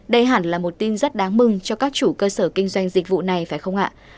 đây hẳn là một tin rất đáng mừng cho các chủ cơ sở kinh doanh dịch vụ này phải không ạ